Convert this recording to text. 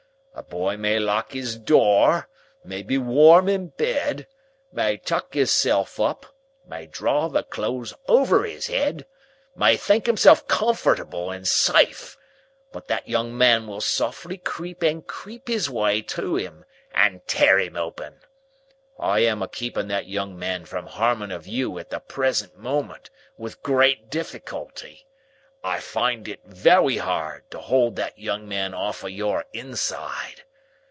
A boy may lock his door, may be warm in bed, may tuck himself up, may draw the clothes over his head, may think himself comfortable and safe, but that young man will softly creep and creep his way to him and tear him open. I am a keeping that young man from harming of you at the present moment, with great difficulty. I find it wery hard to hold that young man off of your inside.